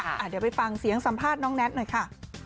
เดี๋ยวไปฟังเสียงสัมภาษณ์น้องแน็ตหน่อยค่ะ